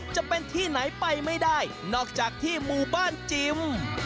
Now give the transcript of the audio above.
จะเป็นที่ไหนไปไม่ได้นอกจากที่หมู่บ้านจิม